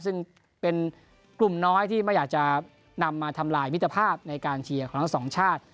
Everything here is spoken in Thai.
ซึ่งเป็นกลุ่มน้อยที่ไม่อยากจะนำมาทำลายมิตรภาพในการเชียร์ของทั้งสองชาติ